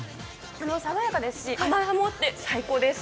爽やかですし甘みもあって最高です。